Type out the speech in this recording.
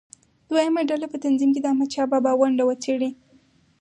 دویمه ډله دې په تنظیم کې د احمدشاه بابا ونډه وڅېړي.